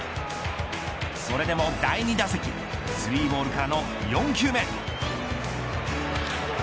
それでも第２打席３ボールからの４球目。